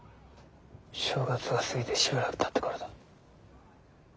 正月が過ぎてしばらくたった頃だ。